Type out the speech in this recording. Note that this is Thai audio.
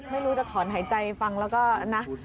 ไม่รู้จะถอนหายใจฟังแล้วก็นะ